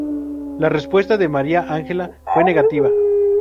La respuesta de María Ángela fue negativa.